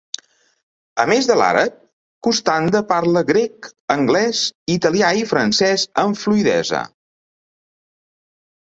A més de l'àrab, Costanda parla grec, anglès, italià i francès amb fluïdesa.